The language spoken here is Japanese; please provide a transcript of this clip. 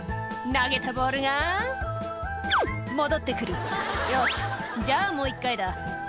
「投げたボールが戻って来るよしじゃあもう１回だ」